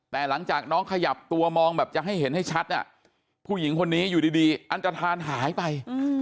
แต่หลังจากน้องขยับตัวมองแบบจะให้เห็นให้ชัดผู้หญิงคนนี้อยู่ดีอันตรฐานหายไป